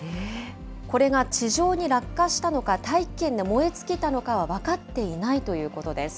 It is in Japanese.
これが地上に落下したのか、大気圏で燃え尽きたのかは分かっていないということです。